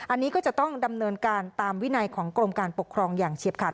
อันนี้ก็จะต้องดำเนินการตามวินัยของกรมการปกครองอย่างเฉียบขาด